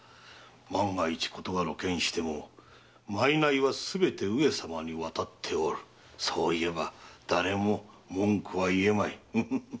万が一ことが露見しても「賄はすべて上様に渡っておる」と言えば誰も文句は言えまい。